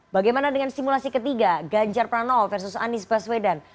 bagaimana dengan simulasi ketiga ganjar prano versus anies baswedan